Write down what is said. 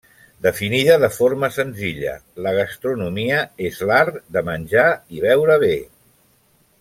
Definida de forma senzilla, la gastronomia és l’art de menjar i beure bé.